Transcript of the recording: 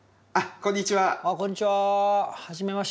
こんにちは。